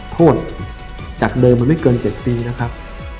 โทษจากเดิมมันไม่เกิน๗ปีนะครับ